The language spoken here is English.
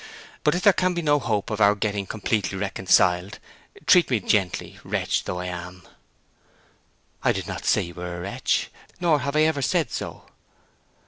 But if there can be no hope of our getting completely reconciled, treat me gently—wretch though I am." "I did not say you were a wretch, nor have I ever said so."